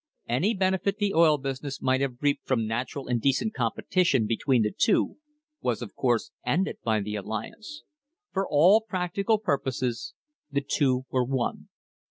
* Any benefit the oil business might have reaped from natural and decent competition between the two was of course ended by the alliance. For all practical purposes the two were one.